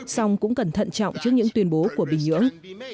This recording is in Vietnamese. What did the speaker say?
song cũng cần thận trọng trước những tuyên bố của bình nhưỡng